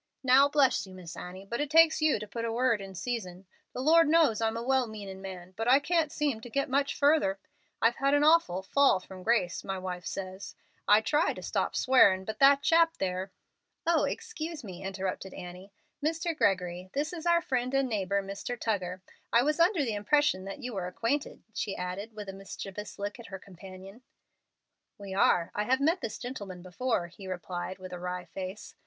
"Now bless you, Miss Annie, but it takes you to put in a 'word in season.' The Lord knows I'm a well meanin' man, but I can't seem to get much furder. I've had an awful 'fall from grace,' my wife says. I did try to stop swearin', but that chap there " "Oh, excuse me," interrupted Annie. "Mr. Gregory, this is our friend and neighbor Mr. Tuggar. I was under the impression that you were acquainted," she added, with a mischievous look at her companion. "We are. I have met this gentleman before," he replied, with a wry face.